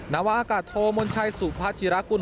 นวอากาศโทรมวลชายสุพาชิระกุล